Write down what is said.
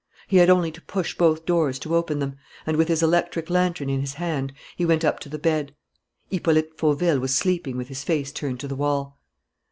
He had only to push both doors to open them; and, with his electric lantern in his hand, he went up to the bed. Hippolyte Fauville was sleeping with his face turned to the wall.